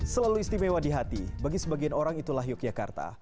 selalu istimewa di hati bagi sebagian orang itulah yogyakarta